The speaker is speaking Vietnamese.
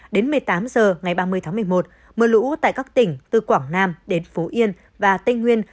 đến một mươi tám h ngày ba mươi tháng một mươi một mưa lũ tại các tỉnh từ quảng nam đến phú yên và tây nguyên